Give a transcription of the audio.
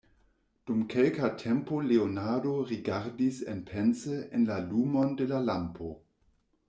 Dum kelka tempo Leonardo rigardis enpense en la lumon de la lampo.